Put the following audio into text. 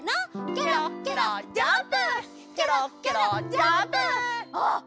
ケロッケロッジャンプ！